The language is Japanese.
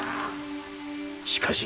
しかし。